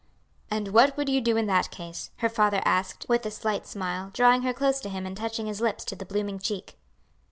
"And what would you do in that case?" her lather asked, with a slight smile, drawing her close to him and touching his lips to the blooming cheek.